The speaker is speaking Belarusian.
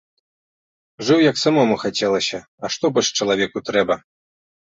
Жыў, як самому хацелася, а што больш чалавеку трэба?